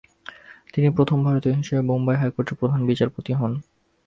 তিনি প্রথম ভারতীয় হিসাবে বোম্বাই হাইকোর্টের প্রধান বিচারপতি হন।